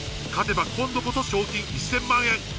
勝てば今度こそ賞金１０００万円。